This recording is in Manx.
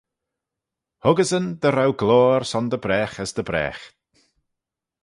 Huggeysyn dy row gloyr son dy bragh as dy bragh.